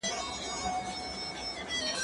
سینه سپينه کړه!.